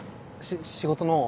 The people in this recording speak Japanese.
仕事の。